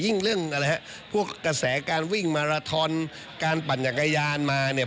เรื่องอะไรฮะพวกกระแสการวิ่งมาราทอนการปั่นจักรยานมาเนี่ย